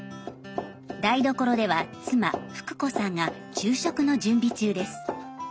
台所では妻富久子さんが昼食の準備中です。